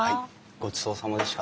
ごちそうさまでした。